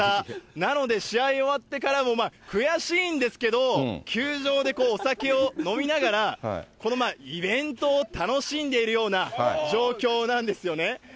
なので、試合終わってからも悔しいんですけど、球場でお酒を飲みながら、このイベントを楽しんでいるような状況なんですよね。